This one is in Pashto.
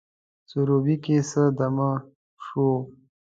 سروبي کښي څه دمه سوو